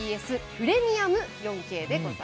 プレミアム４Ｋ。